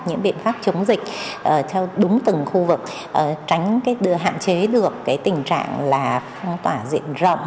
những biện pháp chống dịch theo đúng từng khu vực tránh hạn chế được cái tình trạng là phong tỏa diện rộng